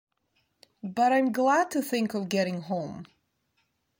But I’m glad to think of getting home.